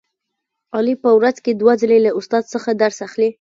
علي په ورځ کې دوه ځلې له استاد څخه درس اخلي.